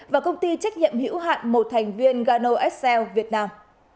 và công ty trách nhiệm hiểu hoạn một thành viên gano xl việt nam